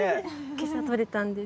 今朝とれたんです。